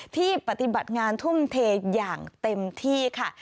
ปฏิบัติงานทุ่มเทอย่างเต็มที่ค่ะ